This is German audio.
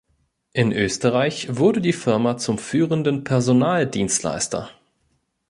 In Österreich wurde die Firma zum führenden Personaldienstleister.